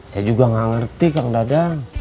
saya juga gak ngerti kang dada